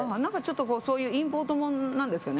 そういうインポートものなんですね。